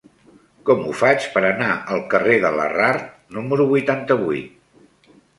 Com ho faig per anar al carrer de Larrard número vuitanta-vuit?